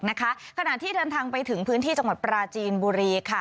ขณะที่เดินทางไปถึงพื้นที่จังหวัดปราจีนบุรีค่ะ